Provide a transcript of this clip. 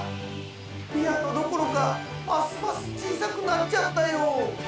ピアノどころかますます小さくなっちゃったよ。